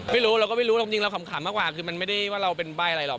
ไม่รู้เราก็ไม่รู้หรอกจริงเราขำมากกว่าคือมันไม่ได้ว่าเราเป็นใบ้อะไรหรอก